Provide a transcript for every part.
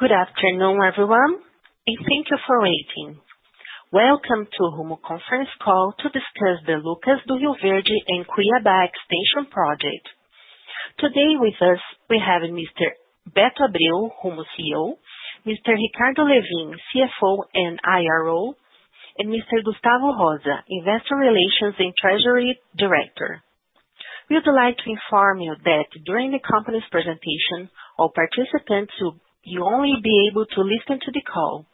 Good afternoon, everyone, and thank you for waiting. Welcome to Rumo Conference Call to discuss the Lucas do Rio Verde and Cuiabá extension project. Today with us, we have Mr. Beto Abreu, Rumo CEO, Mr. Ricardo Lewin, CFO and IRO, and Mr. Gustavo Rosa, Investor Relations and Treasury director. We would like to inform you that during the company's presentation, all participants, you only be able to listen to the call,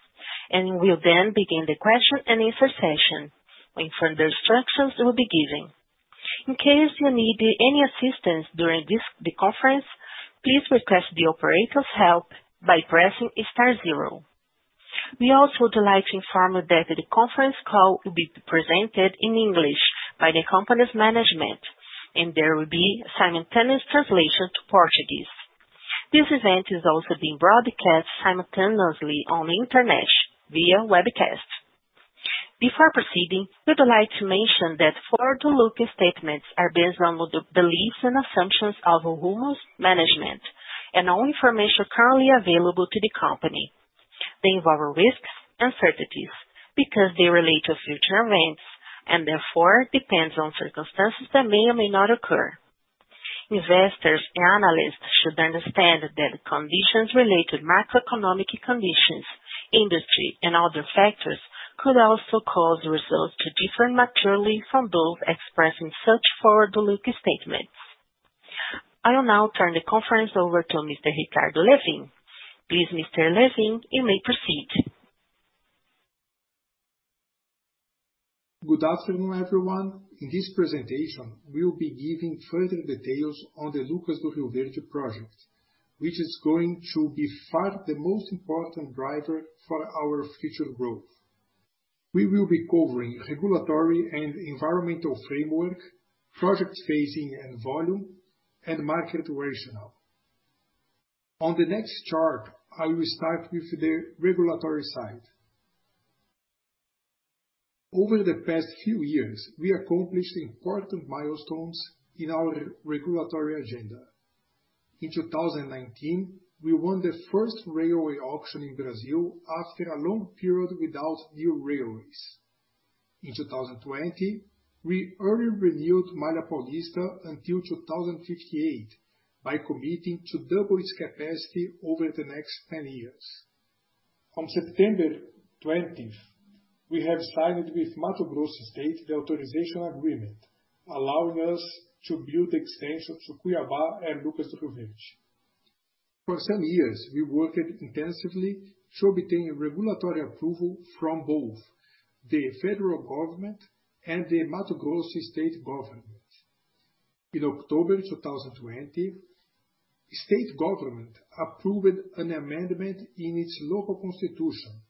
and we'll then begin the question and answer session when further instructions will be given. In case you need any assistance during the conference, please request the operator's help by pressing star zero. We also would like to inform you that the conference call will be presented in English by the company's management, and there will be simultaneous translation to Portuguese. This event is also being broadcast simultaneously on the internet via webcast. Before proceeding, we would like to mention that forward-looking statements are based on the beliefs and assumptions of Rumo's management and all information currently available to the company. They involve risks, uncertainties, because they relate to future events, and therefore depends on circumstances that may or may not occur. Investors and analysts should understand that conditions relate to macroeconomic conditions, industry, and other factors could also cause results to differ materially from those expressed in such forward-looking statements. I will now turn the conference over to Mr. Ricardo Lewin. Please, Mr. Lewin, you may proceed. Good afternoon, everyone. In this presentation, we'll be giving further details on the Lucas do Rio Verde project, which is going to be far the most important driver for our future growth. We will be covering regulatory and environmental framework, project phasing and volume, and market rationale. On the next chart, I will start with the regulatory side. Over the past few years, we accomplished important milestones in our regulatory agenda. In 2019, we won the first railway auction in Brazil after a long period without new railways. In 2020, we early renewed Malha Paulista until 2058 by committing to double its capacity over the next 10 years. On September 20th, we have signed with Mato Grosso State the authorization agreement, allowing us to build the extension to Cuiabá and Lucas do Rio Verde. For some years, we worked intensively to obtain regulatory approval from both the federal government and the Mato Grosso state government. In October 2020, state government approved an amendment in its local constitution,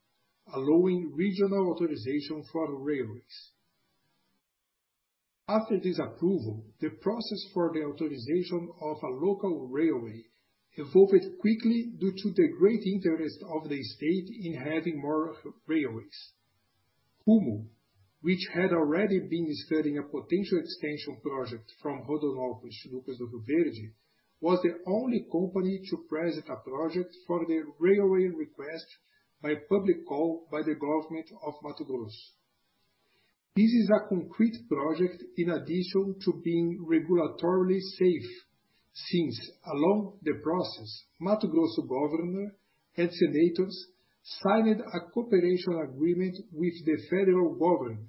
allowing regional authorization for railways. After this approval, the process for the authorization of a local railway evolved quickly due to the great interest of the state in having more railways. Rumo, which had already been studying a potential extension project from Rondonópolis to Lucas do Rio Verde, was the only company to present a project for the railway request by public call by the government of Mato Grosso. This is a concrete project in addition to being regulatorily safe, since along the process, Mato Grosso governor and senators signed a cooperation agreement with the federal government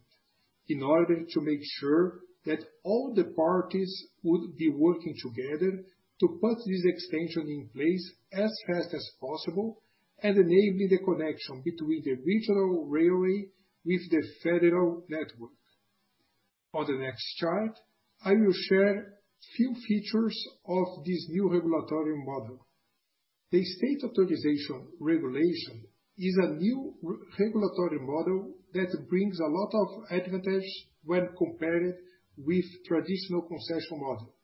in order to make sure that all the parties would be working together to put this extension in place as fast as possible and enabling the connection between the regional railway with the federal network. On the next chart, I will share a few features of this new regulatory model. The state authorization regulation is a new regulatory model that brings a lot of advantage when compared with traditional concession model.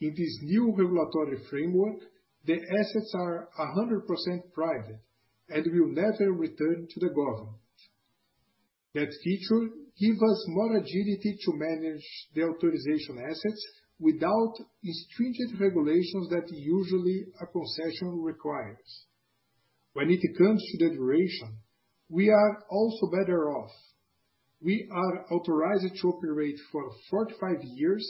In this new regulatory framework, the assets are 100% private and will never return to the government. That feature give us more agility to manage the authorization assets without stringent regulations that usually a concession requires. When it comes to the duration, we are also better off. We are authorized to operate for 45 years.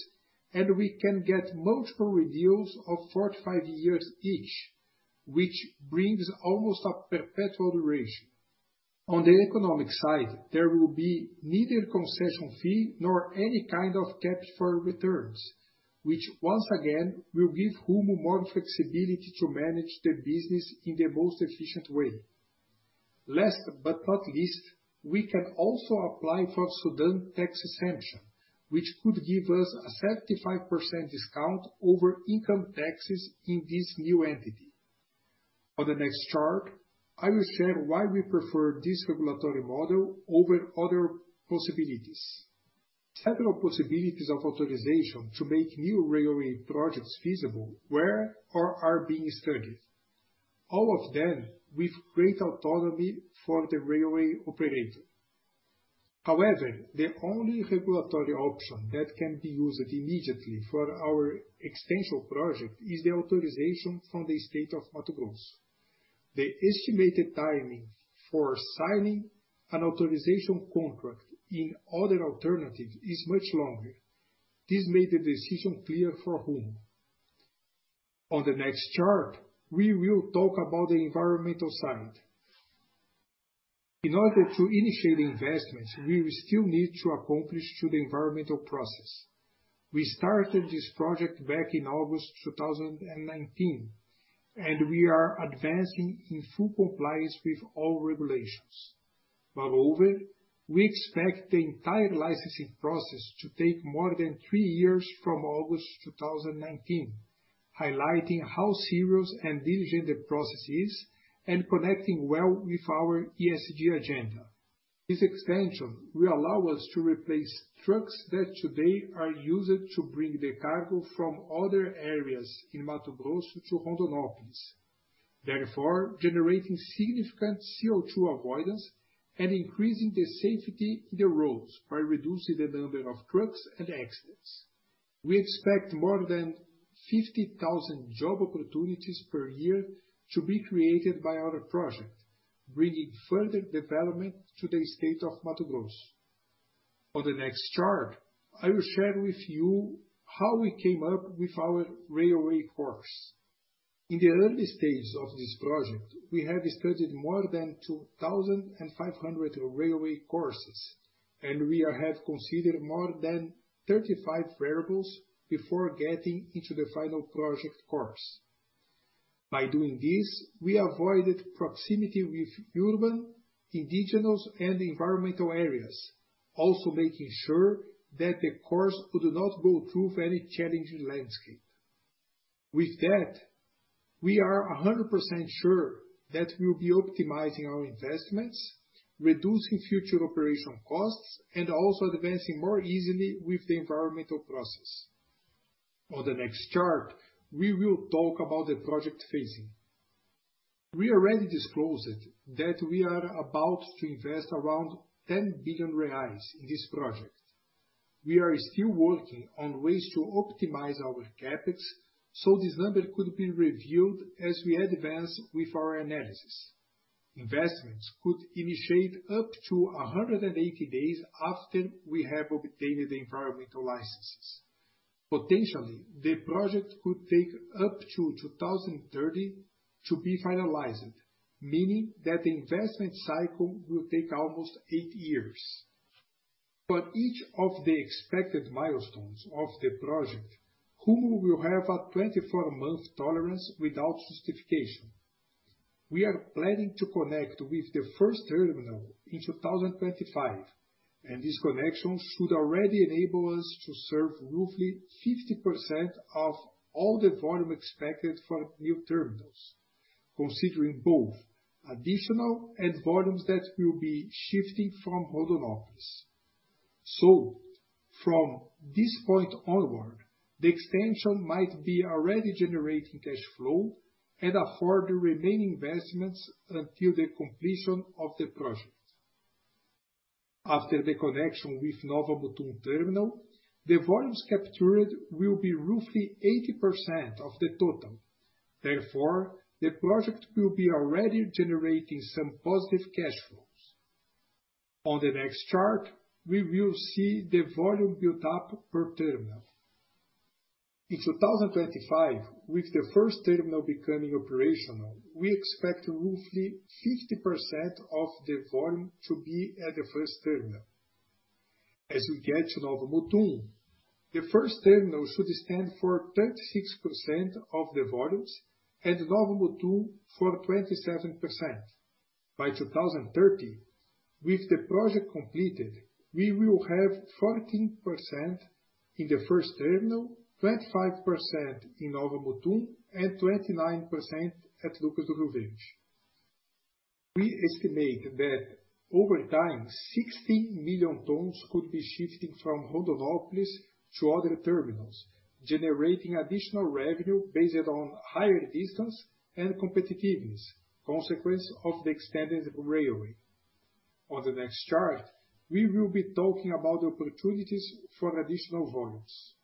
We can get multiple renewals of 45 years each, which brings almost a perpetual duration. On the economic side, there will be neither concession fee nor any kind of cap for returns, which once again, will give Rumo more flexibility to manage the business in the most efficient way. Last but not least, we can also apply for SUDENE tax exemption, which could give us a 75% discount over income taxes in this new entity. On the next chart, I will share why we prefer this regulatory model over other possibilities. Several possibilities of authorization to make new railway projects feasible were or are being studied. All of them with great autonomy for the railway operator. However, the only regulatory option that can be used immediately for our extension project is the authorization from the State of Mato Grosso. The estimated timing for signing an authorization contract in other alternative is much longer. This made the decision clear for Rumo. The next chart, we will talk about the environmental side. In order to initiate investments, we still need to accomplish to the environmental process. We started this project back in August 2019, and we are advancing in full compliance with all regulations. Moreover, we expect the entire licensing process to take more than three years from August 2019, highlighting how serious and diligent the process is and connecting well with our ESG agenda. This extension will allow us to replace trucks that today are used to bring the cargo from other areas in Mato Grosso to Rondonópolis. Generating significant CO2 avoidance and increasing the safety in the roads by reducing the number of trucks and accidents. We expect more than 50,000 job opportunities per year to be created by our project, bringing further development to the state of Mato Grosso. On the next chart, I will share with you how we came up with our railway course. In the early stage of this project, we have studied more than 2,500 railway courses, and we have considered more than 35 variables before getting into the final project course. By doing this, we avoided proximity with urban, indigenous, and environmental areas, also making sure that the course would not go through any challenging landscape. With that, we are 100% sure that we'll be optimizing our investments, reducing future operational costs, and also advancing more easily with the environmental process. On the next chart, we will talk about the project phasing. We already disclosed that we are about to invest around 10 billion reais in this project. We are still working on ways to optimize our CapEx. This number could be reviewed as we advance with our analysis. Investments could initiate up to 180 days after we have obtained the environmental licenses. Potentially, the project could take up to 2030 to be finalized, meaning that the investment cycle will take almost eight years. For each of the expected milestones of the project, Rumo will have a 24-month tolerance without justification. We are planning to connect with the first terminal in 2025. This connection should already enable us to serve roughly 50% of all the volume expected for new terminals, considering both additional and volumes that will be shifting from Rondonópolis. From this point onward, the extension might be already generating cash flow and afford the remaining investments until the completion of the project. After the connection with Nova Mutum terminal, the volumes captured will be roughly 80% of the total. The project will be already generating some positive cash flows. On the next chart, we will see the volume built up per terminal. In 2025, with the first terminal becoming operational, we expect roughly 50% of the volume to be at the first terminal. As we get to Nova Mutum, the first terminal should stand for 36% of the volumes and Nova Mutum for 27%. By 2030, with the project completed, we will have 14% in the first terminal, 25% in Nova Mutum, and 29% at Lucas do Rio Verde. We estimate that over time, 60 million tons could be shifting from Rondonópolis to other terminals, generating additional revenue based on higher distance and competitiveness, consequence of the extended railway. On the next chart, we will be talking about the opportunities for additional volumes.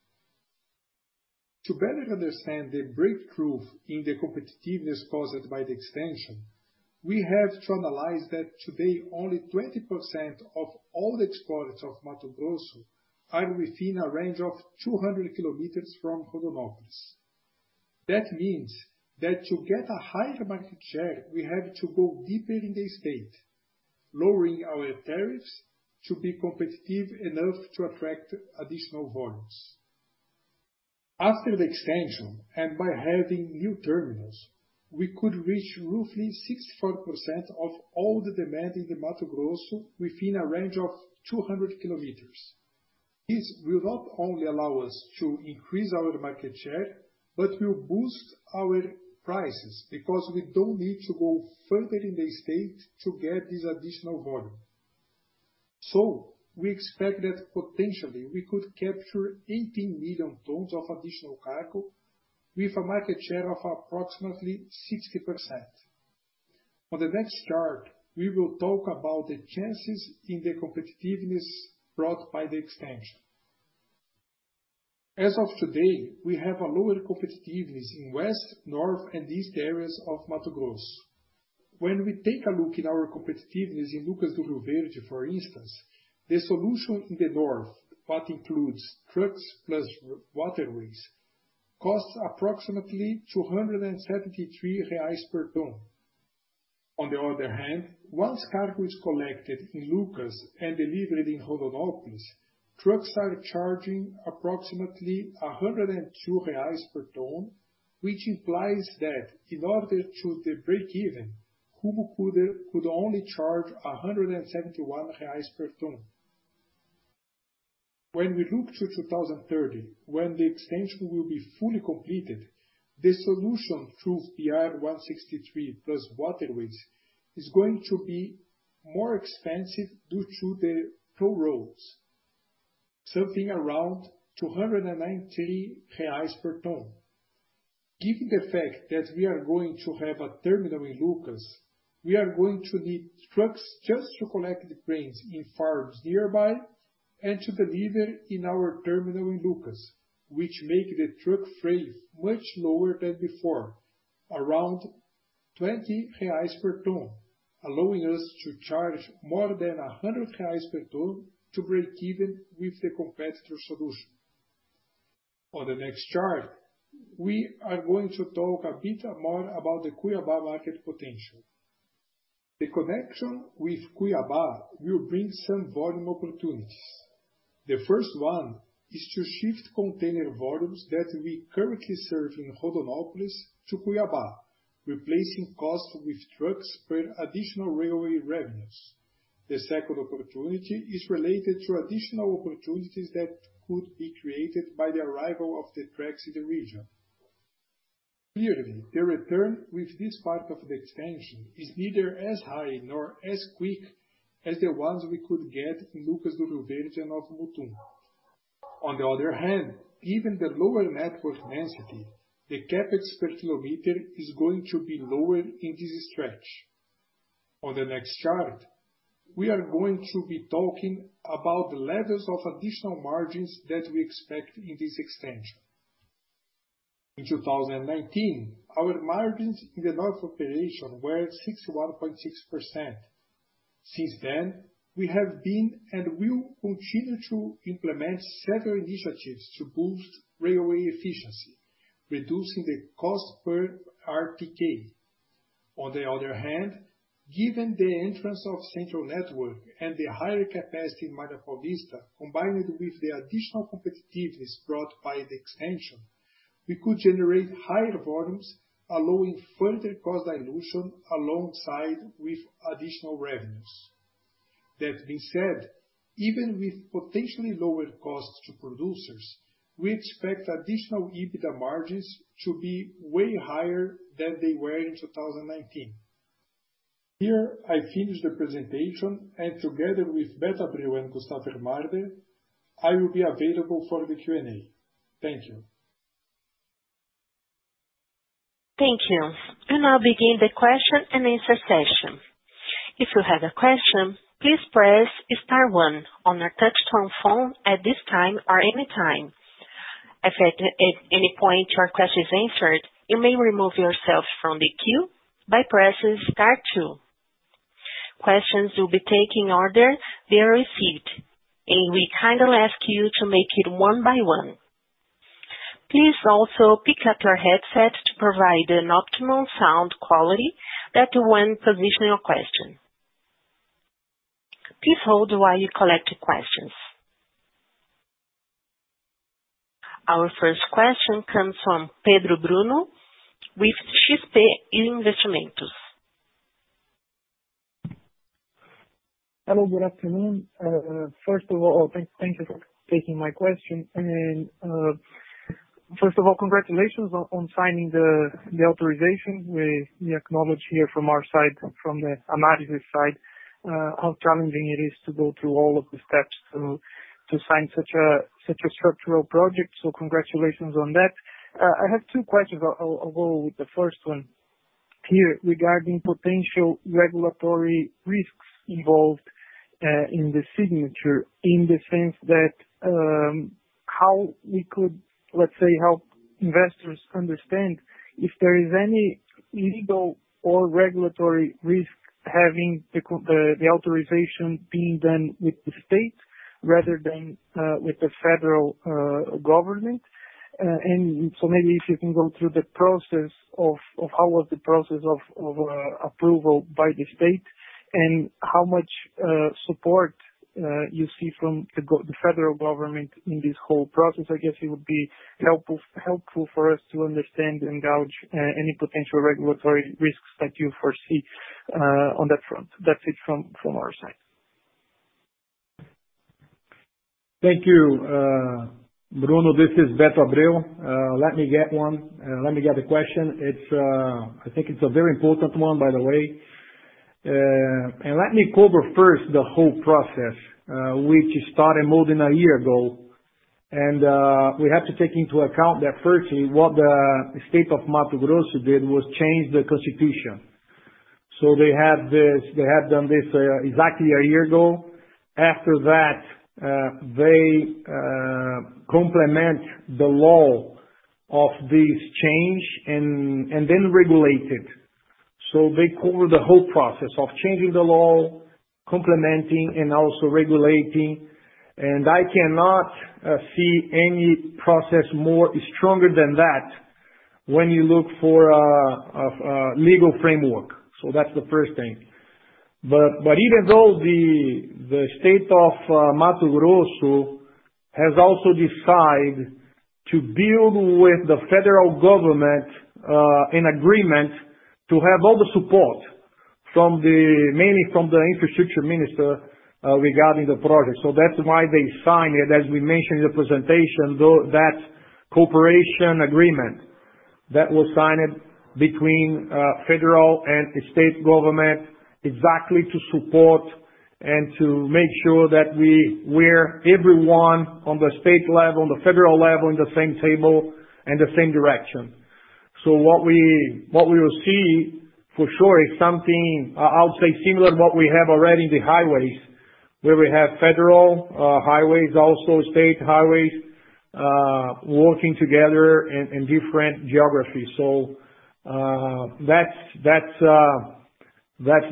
To better understand the breakthrough in the competitiveness caused by the extension, we have to analyze that today, only 20% of all the exports of Mato Grosso are within a range of 200 km from Rondonópolis. That means that to get a higher market share, we have to go deeper in the state, lowering our tariffs to be competitive enough to attract additional volumes. After the extension, and by having new terminals, we could reach roughly 64% of all the demand in the Mato Grosso within a range of 200 km. This will not only allow us to increase our market share, but will boost our prices because we don't need to go further in the state to get this additional volume. We expect that potentially we could capture 18 million tons of additional cargo with a market share of approximately 60%. On the next chart, we will talk about the chances in the competitiveness brought by the extension. As of today, we have a lower competitiveness in west, north, and east areas of Mato Grosso. When we take a look in our competitiveness in Lucas do Rio Verde, for instance, the solution in the north, that includes trucks plus waterways, costs approximately 273 reais per ton. On the other hand, once cargo is collected in Lucas and delivered in Rondonópolis, trucks are charging approximately 102 reais per ton, which implies that in order to the break even, Rumo could only charge 171 reais per ton. When we look to 2030, when the extension will be fully completed, the solution through BR-163 plus waterways is going to be more expensive due to the toll roads, something around 293 reais per ton. Given the fact that we are going to have a terminal in Lucas, we are going to need trucks just to collect the grains in farms nearby, and to deliver in our terminal in Lucas, which make the truck freight much lower than before, around 20 reais per ton, allowing us to charge more than 100 reais per ton to break even with the competitor solution. On the next chart, we are going to talk a bit more about the Cuiabá market potential. The connection with Cuiabá will bring some volume opportunities. The first one is to shift container volumes that we currently serve in Rondonópolis to Cuiabá, replacing costs with trucks for additional railway revenues. The second opportunity is related to additional opportunities that could be created by the arrival of the tracks in the region. Clearly, the return with this part of the extension is neither as high nor as quick as the ones we could get in Lucas do Rio Verde and Nova Mutum. On the other hand, given the lower network density, the CapEx per kilometer is going to be lower in this stretch. On the next chart, we are going to be talking about the levels of additional margins that we expect in this extension. In 2019, our margins in the North Operation were 61.6%. Since then, we have been, and will continue to implement several initiatives to boost railway efficiency, reducing the cost per RTK. On the other hand, given the entrance of Central Network and the higher capacity in Manaus, combined with the additional competitiveness brought by the extension, we could generate higher volumes, allowing further cost dilution alongside with additional revenues. That being said, even with potentially lower costs to producers, we expect additional EBITDA margins to be way higher than they were in 2019. Here I finish the presentation, and together with Beto Abreu and Gustavo da Rosa, I will be available for the Q&A. Thank you. Thank you. We now begin the question-and-answer session. If you have a question, please press star one on your touch-tone phone at this time or anytime. If at any point your question is answered, you may remove yourself from the queue by pressing star two. Questions will be taken in order they are received. We kindly ask you to make it one by one. Please also pick up your headset to provide an optimal sound quality that one position your question. Please hold while we collect questions. Our first question comes from Pedro Bruno with XP Investimentos. Hello, good afternoon. First of all, thank you for taking my question. First of all, congratulations on signing the authorization. We acknowledge here from our side, from the Ambev side, how challenging it is to go through all of the steps to sign such a structural project. Congratulations on that. I have two questions. I'll go with the first one here regarding potential regulatory risks involved, in the signature, in the sense that, how we could, let's say, help investors understand if there is any legal or regulatory risk having the authorization being done with the state rather than with the federal government. Maybe if you can go through the process of how was the process of approval by the state and how much support you see from the federal government in this whole process? I guess it would be helpful for us to understand and gauge any potential regulatory risks that you foresee on that front. That's it from our side. Thank you. Bruno, this is Beto Abreu. Let me get the question. I think it's a very important one, by the way. Let me cover first the whole process, which started more than a year ago. We have to take into account that firstly, what the state of Mato Grosso did was change the constitution. They have done this exactly one year ago. After that, they complement the law of this change and then regulate it. They cover the whole process of changing the law, complementing, and also regulating. I cannot see any process more stronger than that when you look for a legal framework. That's the first thing. Even though the state of Mato Grosso has also decided to build with the federal government, an agreement to have all the support, mainly from the infrastructure minister, regarding the project. That's why they signed it, as we mentioned in the presentation, though, that cooperation agreement that was signed between federal and the state government exactly to support and to make sure that we bring everyone on the state level and the federal level on the same table and the same direction. What we will see for sure is something, I would say similar to what we have already in the highways, where we have federal highways, also state highways, working together in different geographies. That's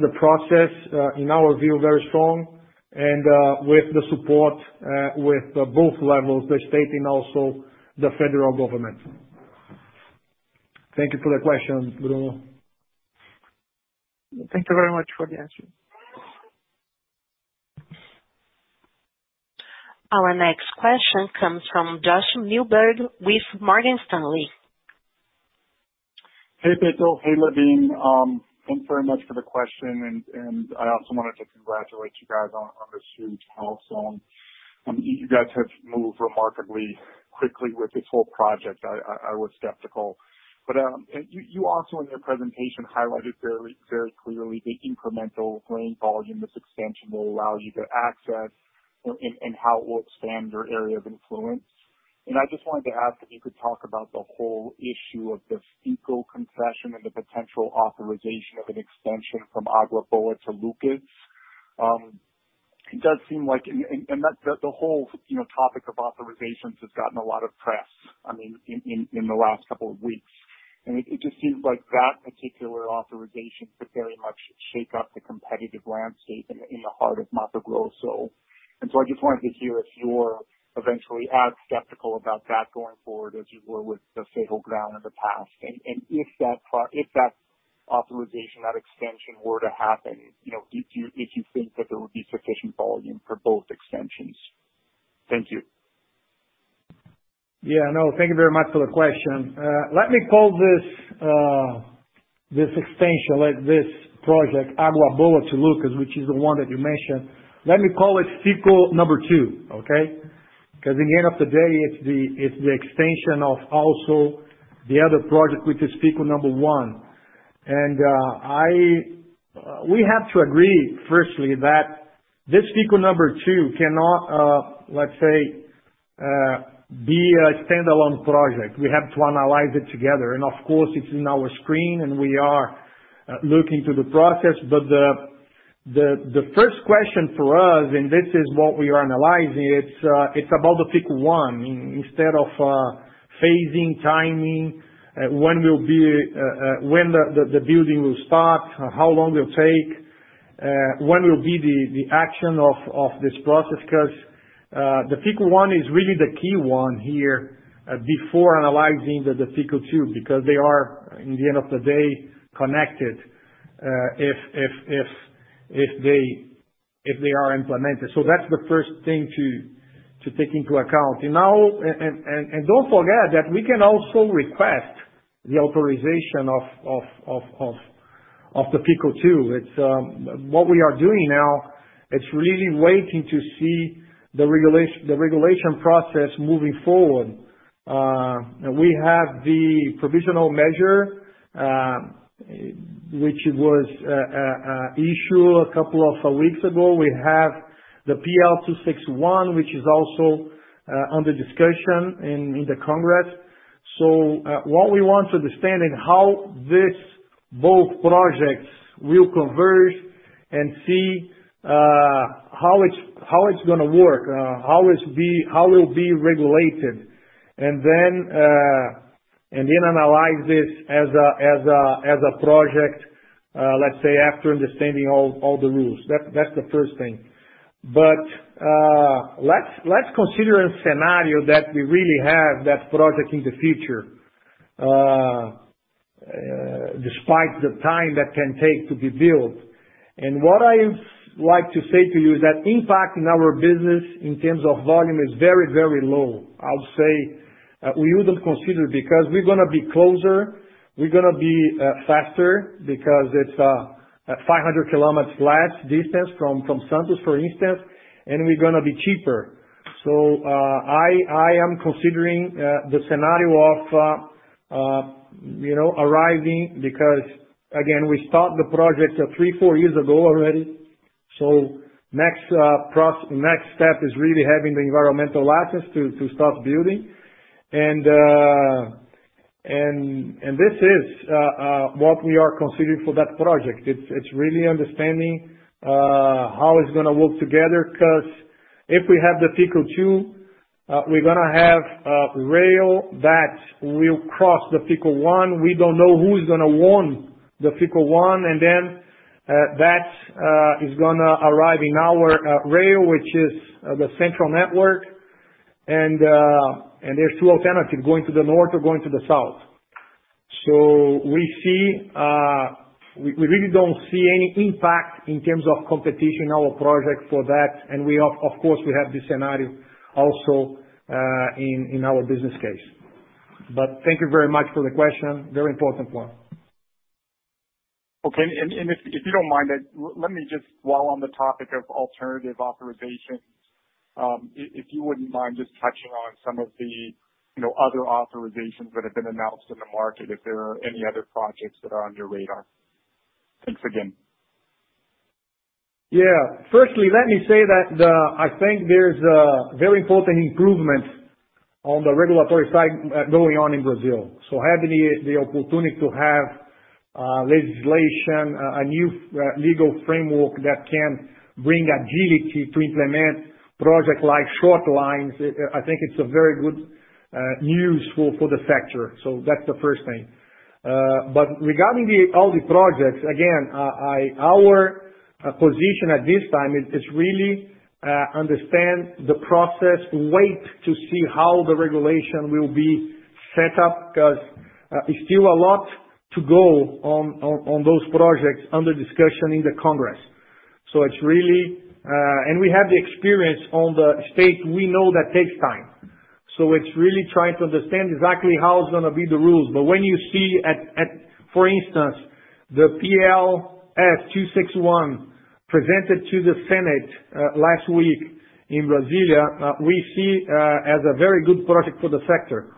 the process, in our view, very strong and with the support with both levels, the state and also the federal government. Thank you for the question, Bruno. Thank you very much for the answer. Our next question comes from Josh Milberg with Morgan Stanley. Hey, Alberto. Hey, Lewin. Thanks very much for the question, I also wanted to congratulate you guys on this huge milestone. You guys have moved remarkably quickly with this whole project. I was skeptical. You also, in your presentation, highlighted very clearly the incremental grain volume this expansion will allow you to access, and how it will expand your area of influence. I just wanted to ask if you could talk about the whole issue of this FICO concession and the potential authorization of an expansion from Água Boa to Lucas. The whole topic of authorizations has gotten a lot of press in the last couple of weeks. It just seems like that particular authorization could very much shake up the competitive landscape in the heart of Mato Grosso. I just wanted to hear if you're eventually as skeptical about that going forward as you were with the Ferrogrão in the past. If that authorization, that extension were to happen, if you think that there would be sufficient volume for both extensions. Thank you. Yeah. No, thank you very much for the question. Let me call this extension, this project, Agua Boa to Lucas, which is the one that you mentioned. Let me call it FICO number two, okay? At the end of the day, it's the extension of also the other project, which is FICO number one We have to agree firstly that this FICO number two cannot, let's say, be a standalone project. We have to analyze it together. Of course, it's in our screen, and we are looking to the process. The first question for us, and this is what we are analyzing, it's about the FICO 1. Instead of phasing, timing, when the building will start, how long it will take, when will be the action of this process? The FICO 1 is really the key one here before analyzing the FICO 2, because they are, in the end of the day, connected, if they are implemented. That's the first thing to take into account. Don't forget that we can also request the authorization of the FICO 2. What we are doing now, it's really waiting to see the regulation process moving forward. We have the provisional measure, which was issued a couple of weeks ago. We have the PL 261, which is also under discussion in the Congress. What we want to understand is how both projects will converge and see how it's going to work, how it will be regulated. Analyze this as a project, let's say, after understanding all the rules. That's the first thing. Let's consider a scenario that we really have that project in the future, despite the time that can take to be built. What I would like to say to you is that impact in our business in terms of volume is very low. I would say, we wouldn't consider it because we're going to be closer, we're going to be faster because it's a 500 km less distance from Santos, for instance, and we're going to be cheaper. I am considering the scenario of arriving, because, again, we start the project three, four years ago already. Next step is really having the environmental license to start building. This is what we are considering for that project. It's really understanding how it's going to work together, because if we have the FICO 2, we're going to have rail that will cross the FICO 1. We don't know who is going to own the FICO one, and then that is going to arrive in our rail, which is the Central Network. There's two alternatives, going to the north or going to the south. We really don't see any impact in terms of competition, our project for that. Of course, we have the scenario also in our business case. Thank you very much for the question. Very important one. Okay. If you don't mind, then let me just, while on the topic of alternative authorizations, if you wouldn't mind just touching on some of the other authorizations that have been announced in the market, if there are any other projects that are on your radar. Thanks again. Yeah. Firstly, let me say that I think there's a very important improvement on the regulatory side going on in Brazil. Having the opportunity to have legislation, a new legal framework that can bring agility to implement projects like short lines, I think it's a very good news for the sector. That's the first thing. Regarding all the projects, again, our position at this time is really understand the process, wait to see how the regulation will be set up, because it's still a lot to go on those projects under discussion in the Congress. We have the experience on the state. We know that takes time. It's really trying to understand exactly how it's going to be the rules. When you see, for instance, the PLS 261 presented to the Senate last week in Brasília, we see as a very good project for the sector.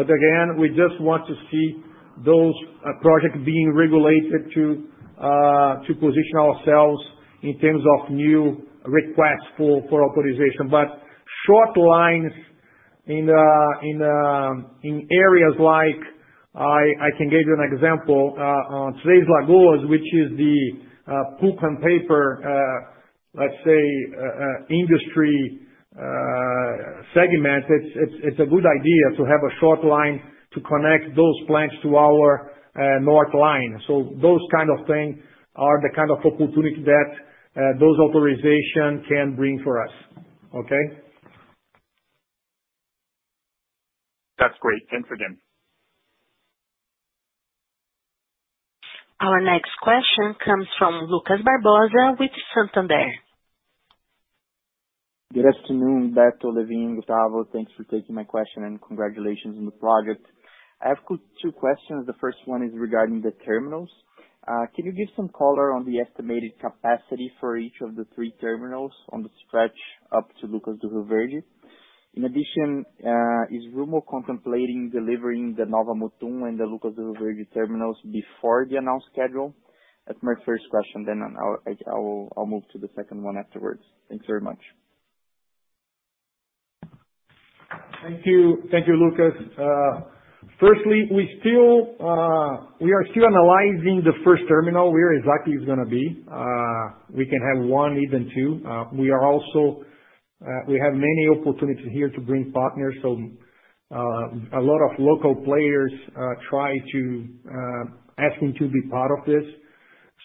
Again, we just want to see those projects being regulated to position ourselves in terms of new requests for authorization. Short lines in areas like, I can give you an example, on Três Lagoas, which is the pulp and paper, let's say, industry segment. It's a good idea to have a short line to connect those plants to our north line. Those kind of things are the kind of opportunity that those authorizations can bring for us. Okay? That's great. Thanks again. Our next question comes from Lucas Barbosa with Santander. Good afternoon, Alberto, Lewin, Gustavo. Thanks for taking my question, and congratulations on the project. I have two questions. The first one is regarding the terminals. Can you give some color on the estimated capacity for each of the three terminals on the stretch up to Lucas do Rio Verde? In addition, is Rumo contemplating delivering the Nova Mutum and the Lucas do Rio Verde terminals before the announced schedule? That's my first question. I'll move to the second one afterwards. Thanks very much. Thank you. Thank you, Lucas. Firstly, we are still analyzing the first terminal, where exactly it's going to be. We can have one, even two. We have many opportunities here to bring partners. A lot of local players try to ask me to be part of this.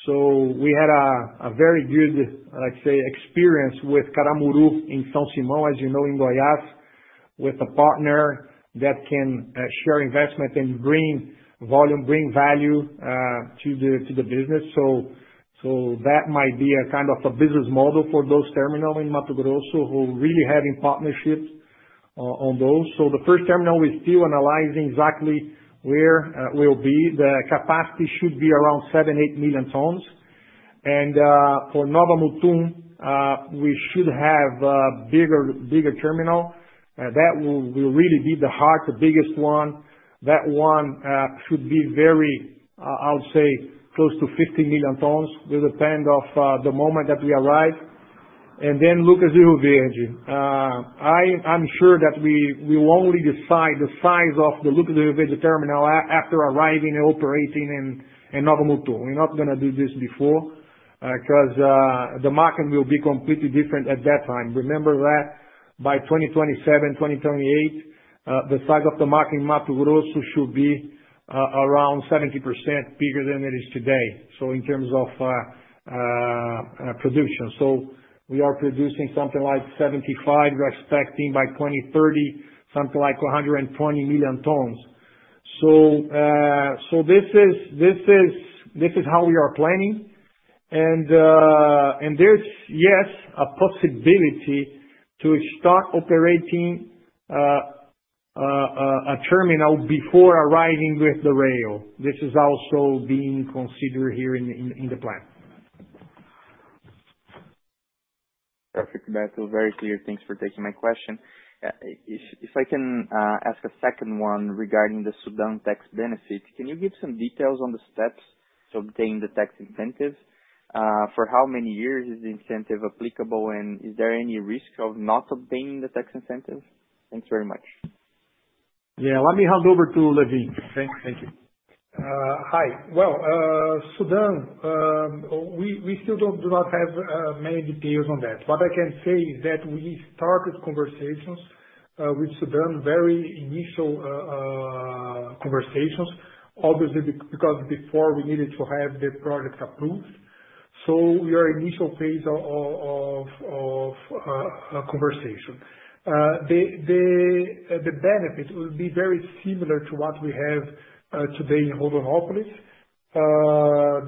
We had a very good, I'd say, experience with Caramuru in São Simão, as you know, in Goiás, with a partner that can share investment and bring volume, bring value to the business. That might be a kind of a business model for those terminals in Mato Grosso who really having partnerships on those. The first terminal, we're still analyzing exactly where we'll be. The capacity should be around seven, eight million tons. For Nova Mutum, we should have a bigger terminal. That will really be the heart, the biggest one. That one should be very, I would say, close to 50 million tons. Will depend of the moment that we arrive. Then Lucas do Rio Verde. I'm sure that we will only decide the size of the Lucas do Rio Verde terminal after arriving and operating in Nova Mutum. We're not going to do this before, because the market will be completely different at that time. Remember that by 2027, 2028, the size of the market in Mato Grosso should be around 70% bigger than it is today. In terms of production. We are producing something like 75. We're expecting by 2030 something like 120 million tons. This is how we are planning. There's, yes, a possibility to start operating a terminal before arriving with the rail. This is also being considered here in the plan. Perfect, Alberto. Very clear. Thanks for taking my question. If I can ask a second one regarding the SUDENE tax benefit, can you give some details on the steps to obtain the tax incentive? For how many years is the incentive applicable, and is there any risk of not obtaining the tax incentive? Thanks very much. Yeah. Let me hand over to Lewin. Thank you. Hi. Well, SUDENE, we still do not have many details on that. What I can say is that we started conversations with SUDENE, very initial conversations, obviously, because before we needed to have the project approved. We are initial phase of a conversation. The benefit will be very similar to what we have today in Rondonópolis.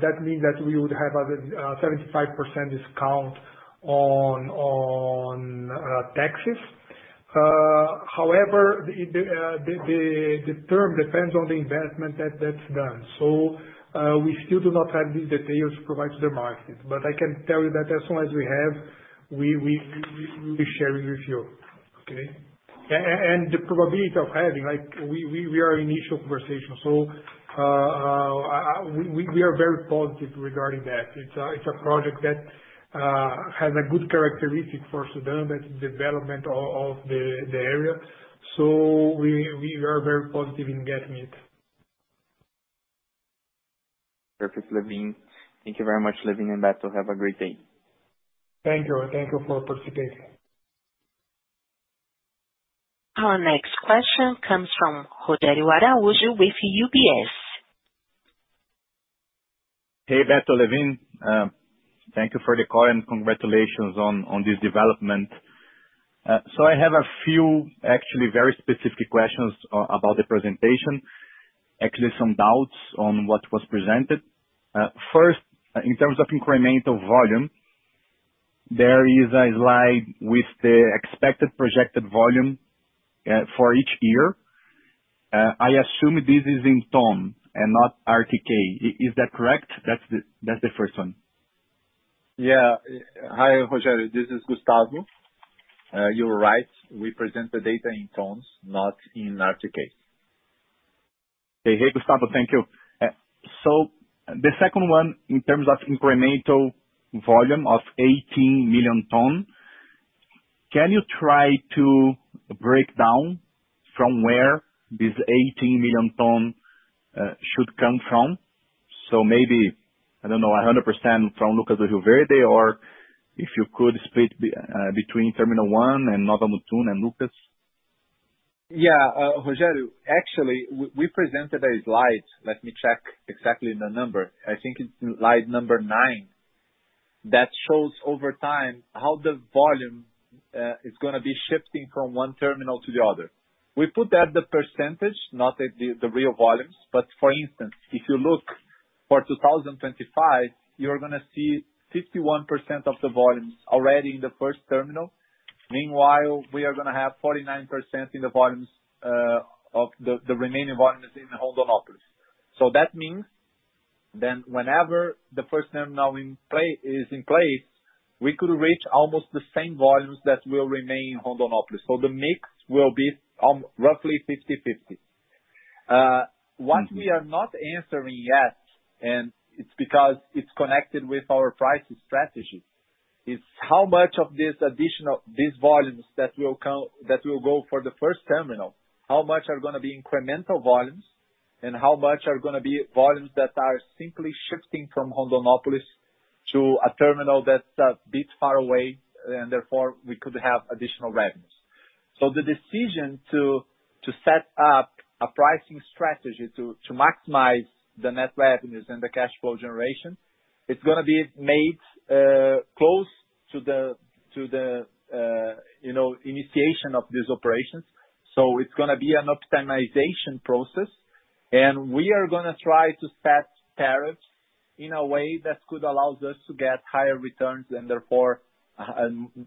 That means that we would have a 75% discount on taxes. However, the term depends on the investment that's done. We still do not have the details to provide to the market. I can tell you that as soon as we have, we will be sharing with you. Okay? The probability of having, we are initial conversations. We are very positive regarding that. It's a project that has a good characteristic for SUDENE, that's development of the area. We are very positive in getting it. Perfect, Lewin. Thank you very much, Lewin and Alberto. Have a great day. Thank you. Thank you for participating. Our next question comes from Rogério Araújo with UBS. Hey, Alberto, Lewin. Thank you for the call and congratulations on this development. I have a few actually very specific questions about the presentation. Actually some doubts on what was presented. First, in terms of incremental volume, there is a slide with the expected projected volume for each year. I assume this is in ton and not RTK. Is that correct? That's the first one. Hi, Rogério. This is Gustavo. You're right. We present the data in tons, not in RTK. Hey, Gustavo. Thank you. The second one, in terms of incremental volume of 18 million ton, can you try to break down from where this 18 million ton should come from? Maybe, I don't know, 100% from Lucas do Rio Verde, or if you could split between terminal 1 and Nova Mutum and Lucas. Rogério, actually, we presented a slide. Let me check exactly the number. I think it's slide number nine that shows over time how the volume is going to be shifting from one terminal to the other. We put that the percentage, not the real volumes. For instance, if you look for 2025, you're going to see 51% of the volumes already in the first terminal. Meanwhile, we are going to have 49% in the remaining volumes in Rondonópolis. That means whenever the first terminal is in place, we could reach almost the same volumes that will remain in Rondonópolis. The mix will be roughly 50/50. What we are not answering yet, and it's because it's connected with our pricing strategy, is how much of these volumes that will go for the first terminal. How much are going to be incremental volumes, and how much are going to be volumes that are simply shifting from Rondonópolis to a terminal that's a bit far away, and therefore we could have additional revenues. The decision to set up a pricing strategy to maximize the net revenues and the cash flow generation, it's going to be made close to the initiation of these operations. It's going to be an optimization process, and we are going to try to set tariffs in a way that could allow us to get higher returns, and therefore,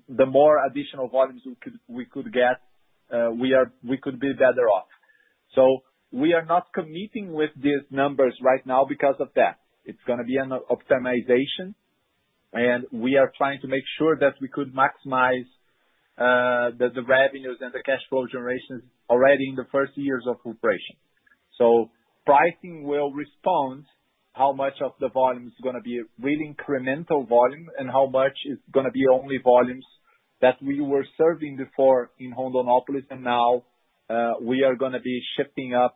the more additional volumes we could get, we could be better off. We are not committing with these numbers right now because of that. It's going to be an optimization, and we are trying to make sure that we could maximize the revenues and the cash flow generations already in the first years of operation. Pricing will respond how much of the volume is going to be real incremental volume and how much is going to be only volumes that we were serving before in Rondonópolis and now we are going to be shifting up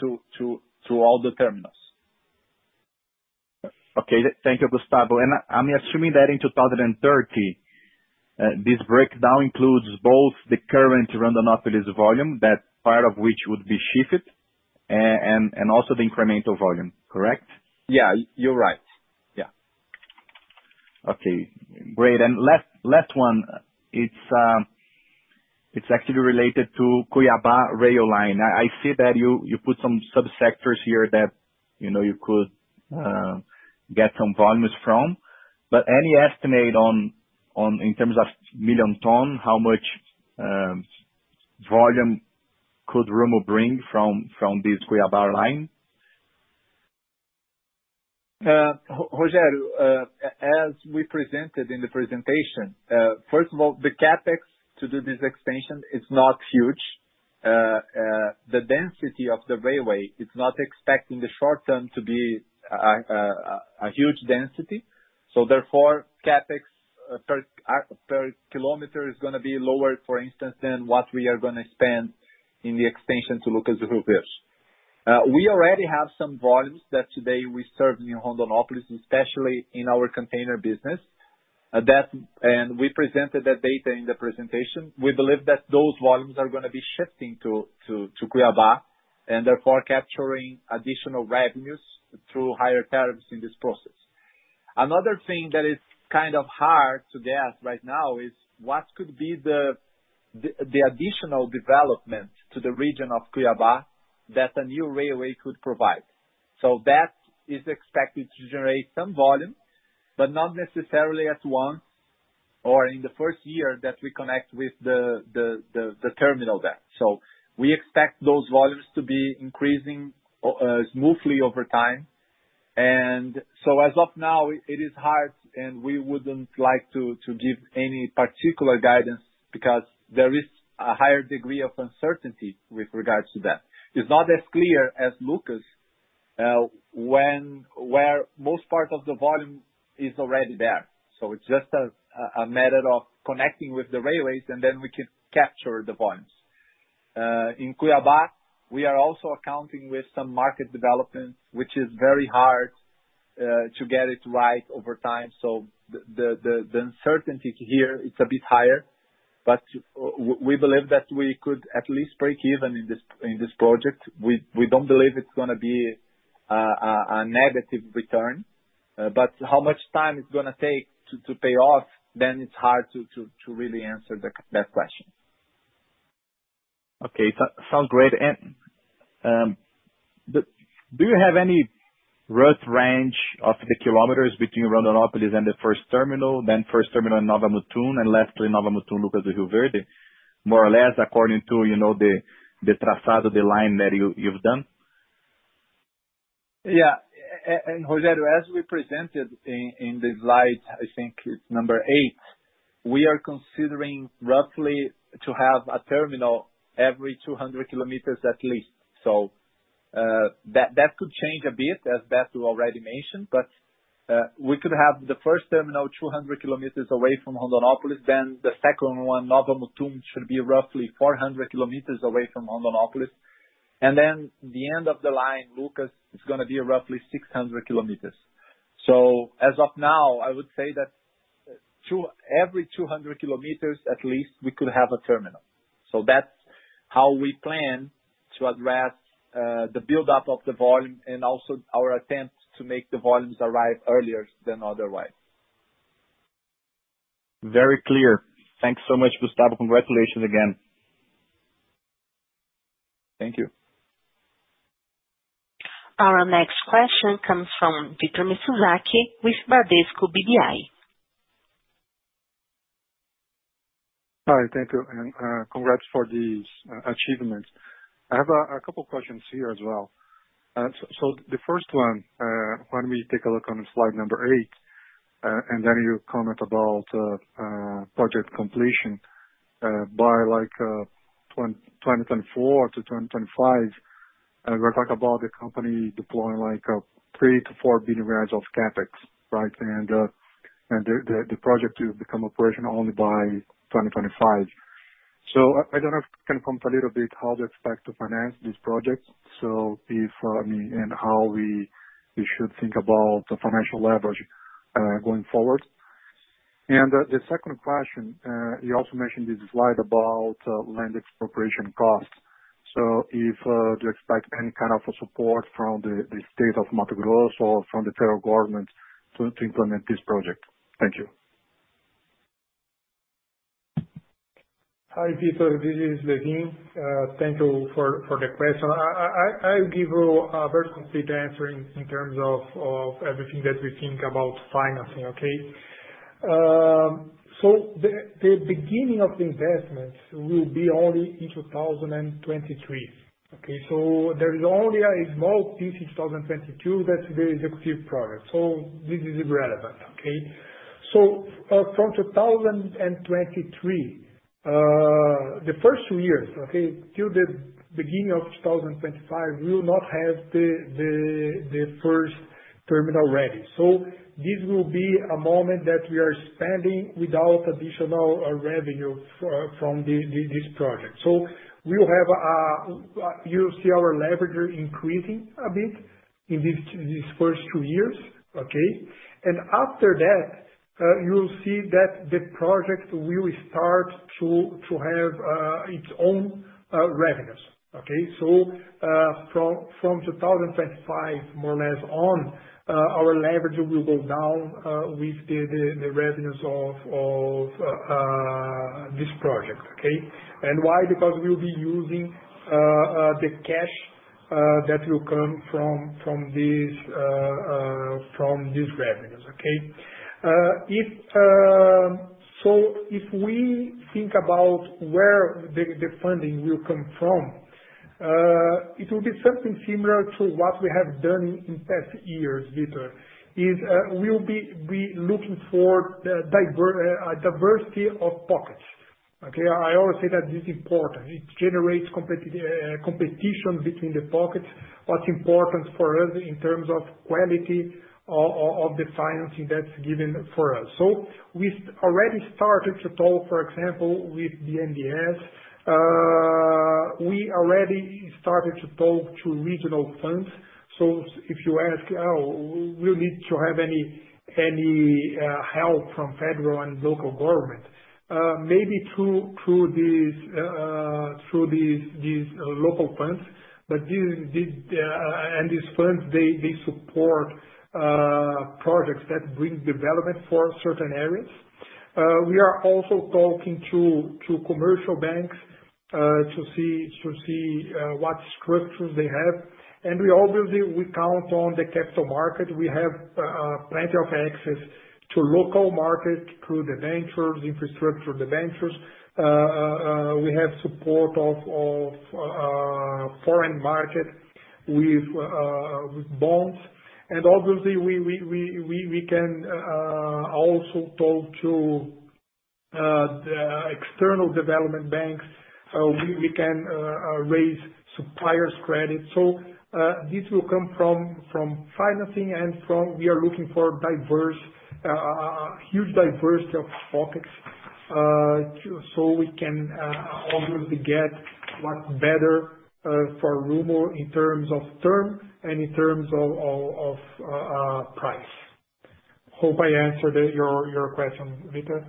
to all the terminals. Okay. Thank you, Gustavo. I'm assuming that in 2030, this breakdown includes both the current Rondonópolis volume, that part of which would be shifted, and also the incremental volume, correct? Yeah, you're right. Yeah. Okay, great. Last one. It's actually related to Cuiabá rail line. I see that you put some subsectors here that you could get some volumes from. Any estimate in terms of million ton, how much volume could Rumo bring from this Cuiabá line? Rogério, as we presented in the presentation, first of all, the CapEx to do this extension is not huge. The density of the railway is not expecting the short term to be a huge density, so therefore, CapEx per kilometer is going to be lower, for instance, than what we are going to spend in the extension to Lucas do Rio Verde. We already have some volumes that today we serve in Rondonópolis, especially in our container business. We presented that data in the presentation. We believe that those volumes are going to be shifting to Cuiabá, and therefore capturing additional revenues through higher tariffs in this process. Another thing that is kind of hard to guess right now is what could be the additional development to the region of Cuiabá that a new railway could provide. That is expected to generate some volume, but not necessarily at once or in the first year that we connect with the terminal there. We expect those volumes to be increasing smoothly over time. As of now, it is hard, and we wouldn't like to give any particular guidance because there is a higher degree of uncertainty with regards to that. It's not as clear as Lucas, where most parts of the volume is already there. It's just a matter of connecting with the railways, and then we can capture the volumes. In Cuiabá, we are also accounting with some market development, which is very hard to get it right over time. The uncertainty here, it's a bit higher, but we believe that we could at least break even in this project. We don't believe it's going to be a negative return. How much time it's going to take to pay off, then it's hard to really answer that question. Okay. Sounds great. Do you have any rough range of the kilometers between Rondonópolis and the first terminal, then first terminal in Nova Mutum, and lastly, Nova Mutum, Lucas do Rio Verde, more or less according to the line that you've done? Yeah. Rogério, as we presented in the slide, I think it's number eight, we are considering roughly to have a terminal every 200 km at least. That could change a bit, as Beto already mentioned. We could have the first terminal 200 km away from Rondonópolis, the second one, Nova Mutum, should be roughly 400 km away from Rondonópolis. The end of the line, Lucas, is going to be roughly 600 km. As of now, I would say that every 200 km at least, we could have a terminal. That's how we plan to address the buildup of the volume and also our attempt to make the volumes arrive earlier than otherwise. Very clear. Thanks so much, Gustavo. Congratulations again. Thank you. Our next question comes from Victor Mizusaki with Bradesco BBI. Hi. Thank you, and congrats for these achievements. I have a couple of questions here as well. The first one, when we take a look on slide number eight, and then you comment about project completion, by 2024-2025, we're talking about the company deploying a BRL 3 billion-BRL 4 billion of CapEx, right? The project to become operational only by 2025. I don't know if you can comment a little bit how to expect to finance this project. If, and how we should think about the financial leverage going forward. The second question, you also mentioned this slide about land expropriation costs. If you expect any kind of support from the state of Mato Grosso or from the federal government to implement this project. Thank you. Hi, Victor. This is Lewin. Thank you for the question. I'll give you a very complete answer in terms of everything that we think about financing, okay? The beginning of the investment will be only in 2023, okay? There is only a small piece in 2022 that's the executive progress. This is irrelevant, okay? From 2023, the first two years, okay, till the beginning of 2025, we will not have the first terminal ready. This will be a moment that we are spending without additional revenue from this project. You'll see our leverage increasing a bit in these first two years, okay? After that, you'll see that the project will start to have its own revenues, okay? From 2025, more or less, on, our leverage will go down with the revenues of this project, okay? Why? We'll be using the cash that will come from these revenues, okay? If we think about where the funding will come from, it will be something similar to what we have done in past years, Victor. We'll be looking for a diversity of pockets. Okay? I always say that this is important. It generates competition between the pockets, what's important for us in terms of quality of the financing that's given for us. We already started to talk, for example, with the BNDES. We already started to talk to regional funds. If you ask, will we need to have any help from federal and local government? Maybe through these local funds. These funds, they support projects that bring development for certain areas. We are also talking to commercial banks, to see what structures they have. Obviously, we count on the capital market. We have plenty of access to local market, through debentures, infrastructure, debentures. We have support of foreign markets with bonds. Obviously, we can also talk to the external development banks. We can raise suppliers' credit. This will come from financing and we are looking for a huge diversity of pockets, so we can obviously get what's better for Rumo in terms of term and in terms of price. Hope I answered your question, Victor.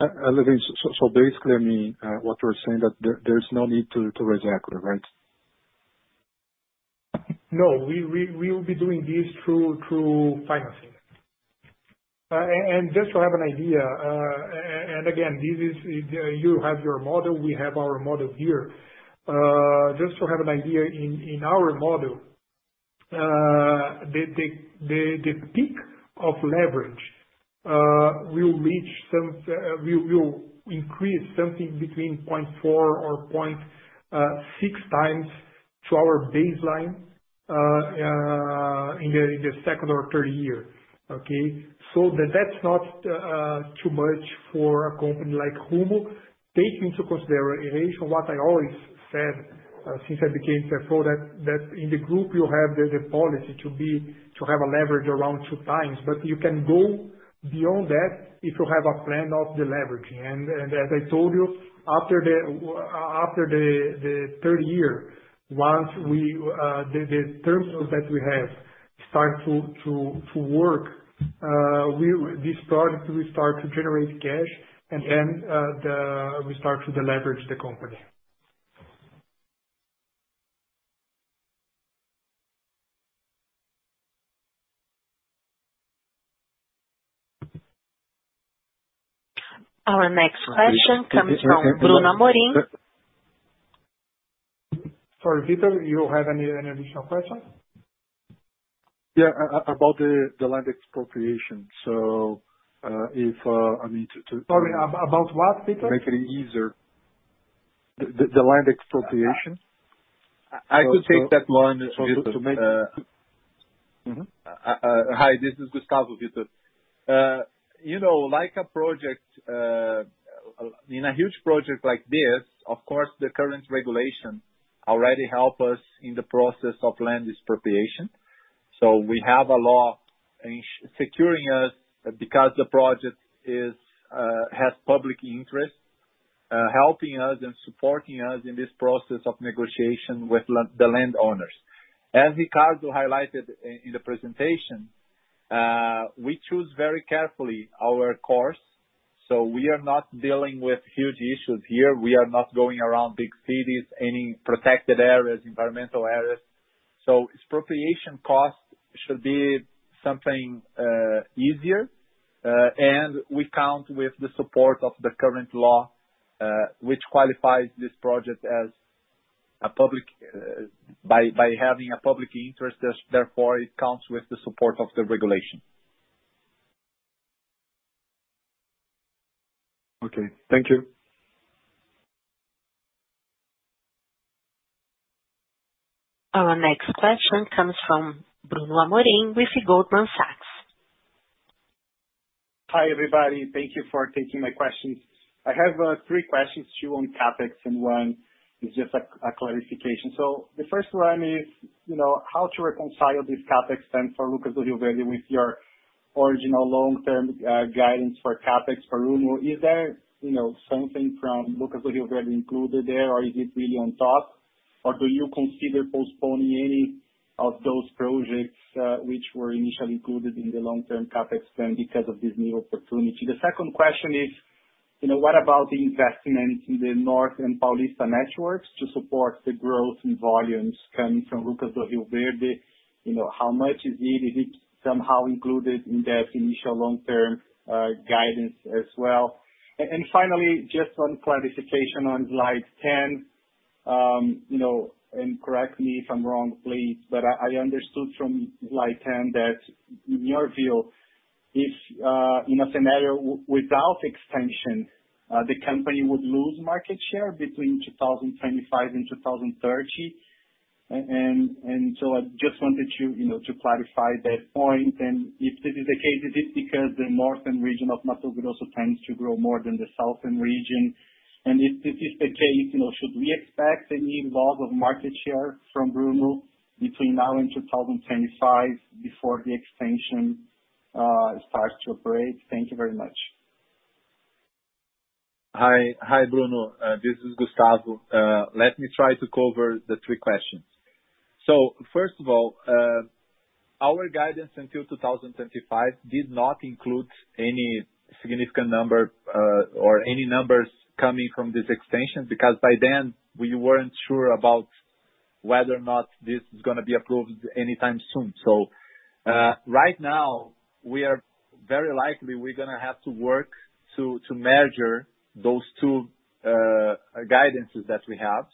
Lewin, basically, what you're saying, there's no need to raise equity, right? No, we will be doing this through financing. Just to have an idea, again, you have your model, we have our model here. Just to have an idea, in our model, the peak of leverage will increase something between 0.4 or 0.6x to our baseline in the second or third year. Okay. That's not too much for a company like Rumo. Taking into consideration what I always said, since I became CFO, that in the group you have the policy to have a leverage around 2x, but you can go beyond that if you have a plan of the leverage. As I told you, after the third year, once the terminals that we have start to work, this project will start to generate cash and then we start to leverage the company. Our next question comes from Bruno Amorim. Sorry, Victor, you have any additional questions? Yeah, about the land expropriation. Sorry, about what, Victor? Make it easier. The land expropriation. I could take that one, Victor. Hi, this is Gustavo, Victor. In a huge project like this, of course, the current regulations already help us in the process of land expropriation. We have a law securing us because the project has public interest, helping us and supporting us in this process of negotiation with the landowners. As Ricardo highlighted in the presentation, we choose very carefully our course. We are not dealing with huge issues here. We are not going around big cities, any protected areas, environmental areas. Expropriation costs should be something easier. We count with the support of the current law, which qualifies this project by having a public interest, therefore it counts with the support of the regulation. Okay. Thank you. Our next question comes from Bruno Amorim with Goldman Sachs. Hi, everybody. Thank you for taking my questions. I have three questions to you on CapEx. One is just a clarification. The first one is, how to reconcile this CapEx spend for Lucas do Rio Verde with your original long-term guidance for CapEx for Rumo. Is there something from Lucas do Rio Verde included there, or is it really on top? Or do you consider postponing any of those projects, which were initially included in the long-term CapEx spend because of this new opportunity? The second question is, what about the investments in the North and Paulista networks to support the growth in volumes coming from Lucas do Rio Verde? How much is it? Is it somehow included in that initial long-term guidance as well? Finally, just one clarification on slide 10. Correct me if I'm wrong, please, but I understood from slide 10 that in your view, if in a scenario without expansion, the company would lose market share between 2025 and 2030. I just wanted you to clarify that point. If this is the case, is it because the northern region of Mato Grosso tends to grow more than the southern region? If this is the case, should we expect any loss of market share from Rumo between now and 2025 before the expansion starts to operate? Thank you very much. Hi, Bruno. This is Gustavo. Let me try to cover the three questions. First of all, our guidance until 2025 did not include any significant number, or any numbers coming from this expansion, because by then we weren't sure about whether or not this is going to be approved anytime soon. Right now, very likely, we're going to have to work to measure those two guidances that we have.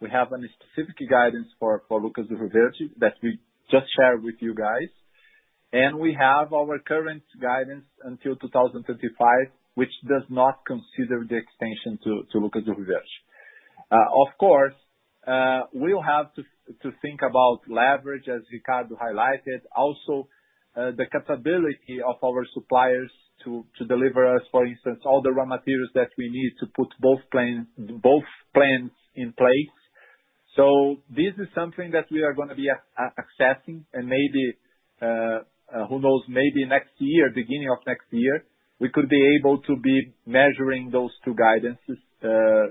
We have a specific guidance for Lucas do Rio Verde that we just shared with you guys, and we have our current guidance until 2025, which does not consider the expansion to Lucas do Rio Verde. Of course, we'll have to think about leverage as Ricardo highlighted. The capability of our suppliers to deliver us, for instance, all the raw materials that we need to put both plants in place. This is something that we are going to be assessing and maybe, who knows, maybe next year, beginning of next year, we could be able to be measuring those two guidances.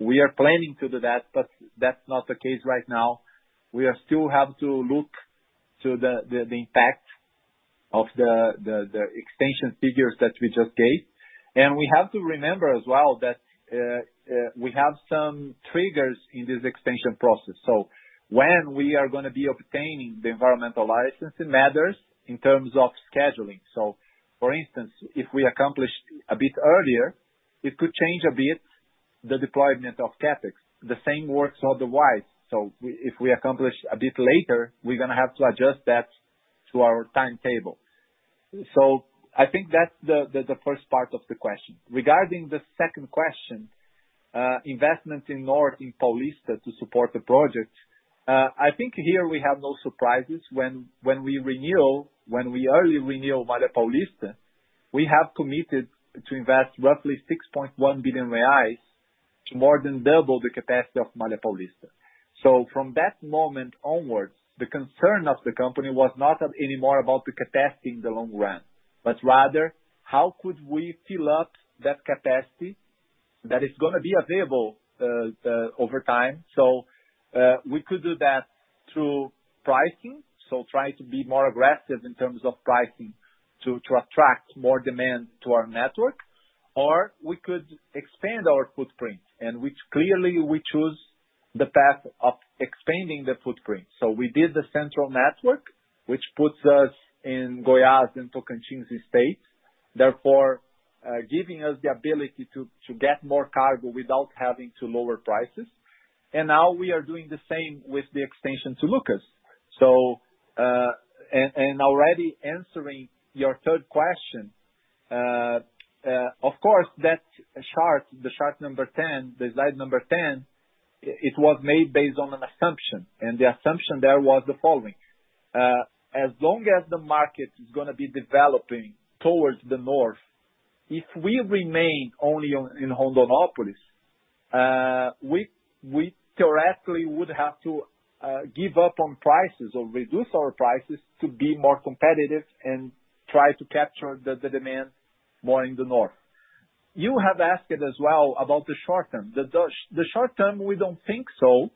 We are planning to do that, but that's not the case right now. We still have to look to the impact of the extension figures that we just gave. We have to remember as well that we have some triggers in this extension process. When we are going to be obtaining the environmental licensing matters in terms of scheduling. For instance, if we accomplish a bit earlier, it could change a bit the deployment of CapEx. The same works otherwise. If we accomplish a bit later, we're going to have to adjust that to our timetable. I think that's the first part of the question. Regarding the second question, investments in North Paulista to support the project. I think here we have no surprises. When we early renew Malha Paulista, we have committed to invest roughly 6.1 billion reais to more than double the capacity of Malha Paulista. From that moment onwards, the concern of the company was not anymore about the capacity in the long run, but rather how could we fill up that capacity that is going to be available over time. We could do that through pricing, so try to be more aggressive in terms of pricing to attract more demand to our network. We could expand our footprint and which clearly we choose the path of expanding the footprint. We did the Central Network, which puts us in Goiás into Goiás state, therefore, giving us the ability to get more cargo without having to lower prices. Now we are doing the same with the extension to Lucas. Already answering your third question, of course, that chart, the chart number 10, the slide number 10, it was made based on an assumption. The assumption there was the following. As long as the market is going to be developing towards the north, if we remain only in Rondonópolis, we theoretically would have to give up on prices or reduce our prices to be more competitive and try to capture the demand more in the north. You have asked as well about the short term. The short term, we don't think so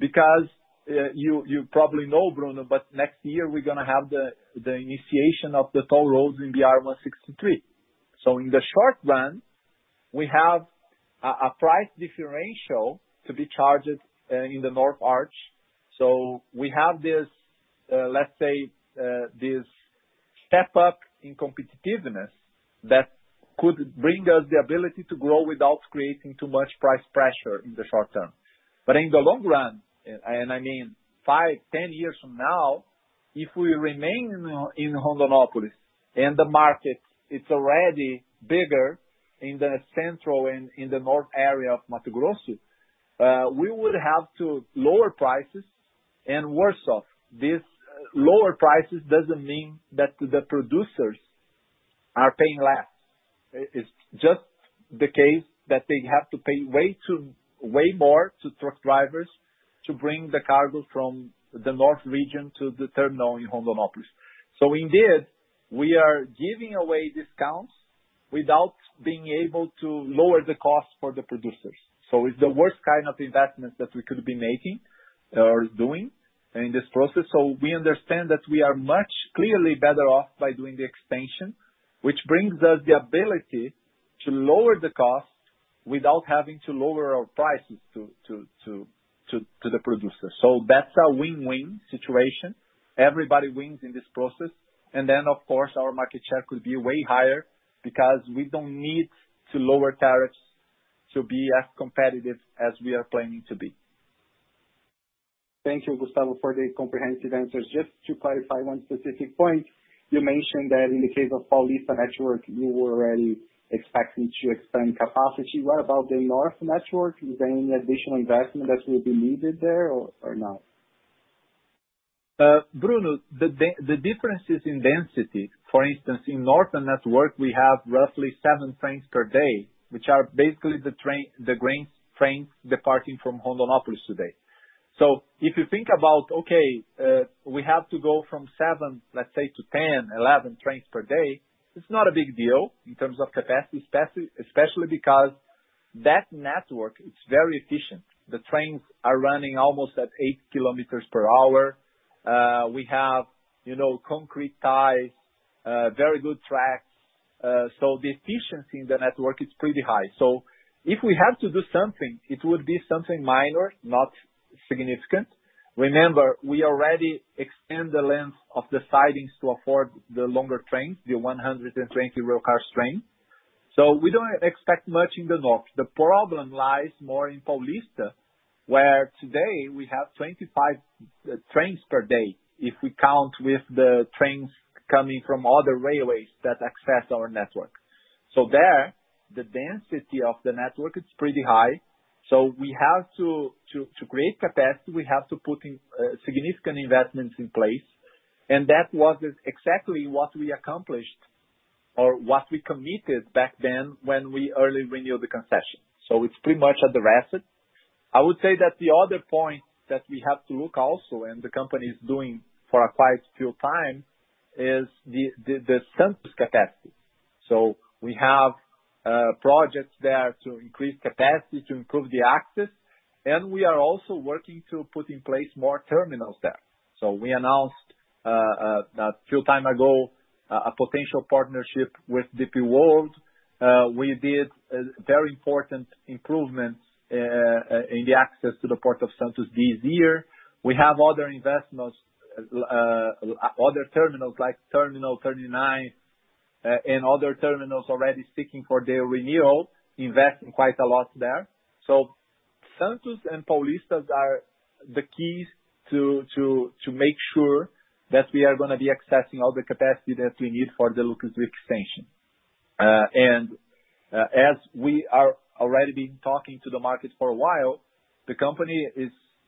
because, you probably know, Bruno, but next year we're going to have the initiation of the toll roads in BR-163. In the short run, we have a price differential to be charged in the North Arch. We have this, let's say, this step up in competitiveness that could bring us the ability to grow without creating too much price pressure in the short term. In the long run, and I mean five, 10 years from now, if we remain in Rondonópolis and the market is already bigger in the central and in the north area of Mato Grosso, we would have to lower prices and worse off. This lower prices doesn't mean that the producers are paying less. It's just the case that they have to pay way more to truck drivers to bring the cargo from the north region to the terminal in Rondonópolis. Indeed, we are giving away discounts without being able to lower the cost for the producers. It's the worst kind of investment that we could be making or doing in this process. We understand that we are much clearly better off by doing the extension, which brings us the ability to lower the cost without having to lower our prices to the producer. That's a win-win situation. Everybody wins in this process. Then, of course, our market share could be way higher because we don't need to lower tariffs to be as competitive as we are planning to be. Thank you, Gustavo, for the comprehensive answers. Just to clarify one specific point, you mentioned that in the case of Paulista network, you were already expecting to expand capacity. What about the North network? Is there any additional investment that will be needed there or not? Bruno, the difference is in density. For instance, in North network, we have roughly seven trains per day, which are basically the grains trains departing from Rondonopolis today. If you think about, okay, we have to go from seven, let say, to 10, 11 trains per day, it's not a big deal in terms of capacity, especially because that network, it's very efficient. The trains are running almost at 80 km per hour. We have concrete ties, very good tracks. The efficiency in the network is pretty high. If we have to do something, it would be something minor, not significant. Remember, we already extend the length of the sidings to afford the longer trains, the 120-car trains. We don't expect much in the North. The problem lies more in Paulista, where today we have 25 trains per day, if we count with the trains coming from other railways that access our network. There, the density of the network is pretty high. To create capacity, we have to put significant investments in place. That was exactly what we accomplished or what we committed back then when we early renewed the concession. It's pretty much at the asset. I would say that the other point that we have to look also, and the company is doing for quite a few times, is the Santos capacity. We have projects there to increase capacity to improve the access, and we are also working to put in place more terminals there. We announced a few times ago, a potential partnership with DP World. We did a very important improvement in the access to the Port of Santos this year. We have other terminals, like Terminal 39, and other terminals already seeking for their renewal, investing quite a lot there. Santos and Paulista are the keys to make sure that we are going to be accessing all the capacity that we need for the Lucas extension. As we are already been talking to the market for a while, the company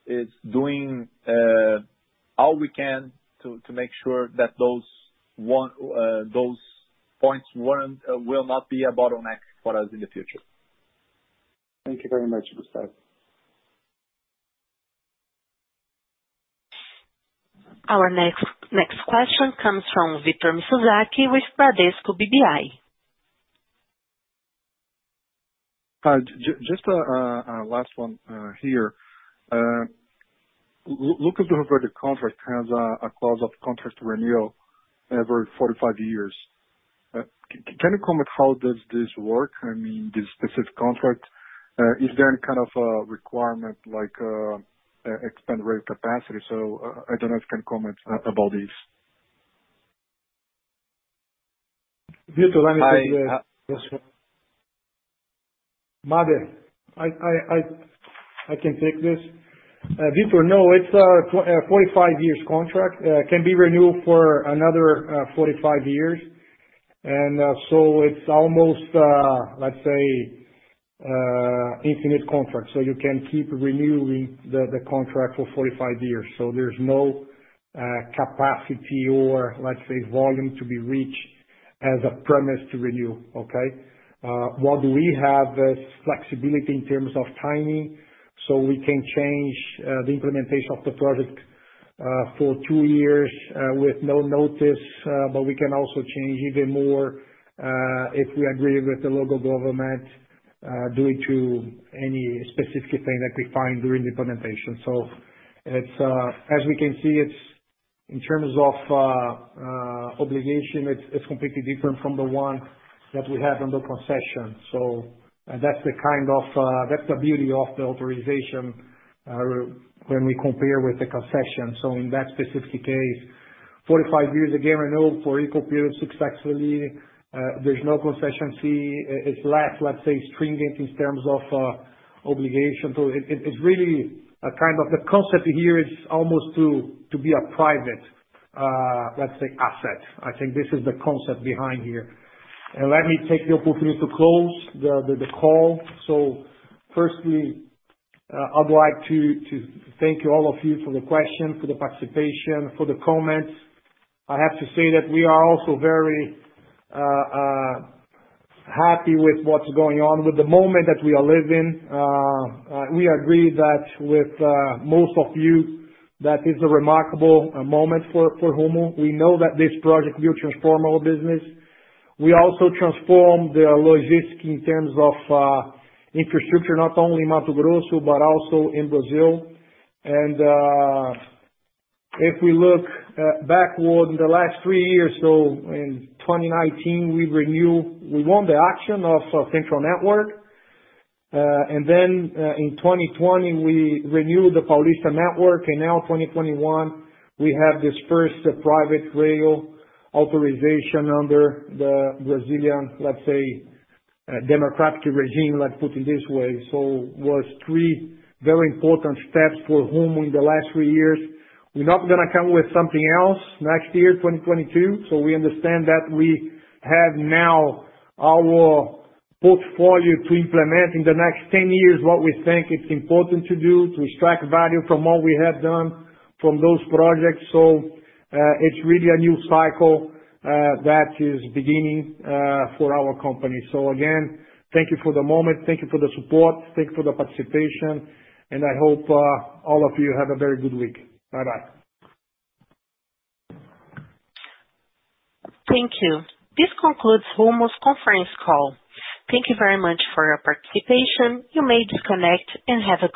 is doing all we can to make sure that those points will not be a bottleneck for us in the future. Thank you very much, Gustavo. Our next question comes from Victor Mizusaki with Bradesco BBI. Just a last one here. Lucas, the contract has a clause of contract renewal every 45 years. Can you comment how does this work? I mean, this specific contract, is there any kind of a requirement to expand rate capacity? I don't know if you can comment about this. Victor, let me see. Yes, I can take this. Victor, no, it's a 45 years contract. It can be renewed for another 45 years. It's almost, let's say, infinite contract. You can keep renewing the contract for 45 years. There's no capacity or, let's say, volume to be reached as a premise to renew. Okay? What we have is flexibility in terms of timing, so we can change the implementation of the project for two years with no notice. We can also change even more, if we agree with the local government, due to any specific thing that we find during the implementation. As we can see, in terms of obligation, it's completely different from the one that we have under concession. That's the beauty of the authorization, when we compare with the concession. In that specific case, 45 years, again, renewed for equal period successfully. There's no concession fee. It's less, let's say, stringent in terms of obligation. It's really a kind of the concept here is almost to be a private, let's say, asset. I think this is the concept behind here. Let me take the opportunity to close the call. Firstly, I'd like to thank you all of you for the questions, for the participation, for the comments. I have to say that we are also very happy with what's going on, with the moment that we are living. We agree that with most of you, that is a remarkable moment for Rumo. We know that this project will transform our business. We also transformed the logistics in terms of infrastructure, not only in Mato Grosso, but also in Brazil. If we look backward in the last three years, in 2019, we won the auction of Central Network. Then, in 2020, we renewed the Paulista network. Now 2021, we have this first private rail authorization under the Brazilian, let's say, democratic regime, let's put it this way. It was three very important steps for Rumo in the last three years. We're not going to come with something else next year, 2022. We understand that we have now our portfolio to implement in the next 10 years what we think it's important to do to extract value from what we have done from those projects. It's really a new cycle that is beginning for our company. Again, thank you for the moment, thank you for the support, thank you for the participation, and I hope all of you have a very good week. Bye-bye. Thank you. This concludes Rumo's Conference Call. Thank you very much for your participation. You may disconnect and have a good week.